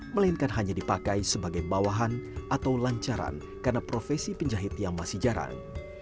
melainkan hanya dipakai sebagai bawahan atau lancaran karena profesi penjahit yang masih jarang